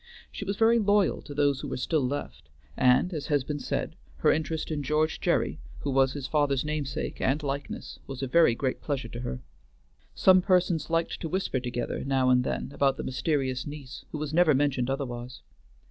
She was very loyal to those who were still left, and, as has been said, her interest in George Gerry, who was his father's namesake and likeness, was a very great pleasure to her. Some persons liked to whisper together now and then about the mysterious niece, who was never mentioned otherwise.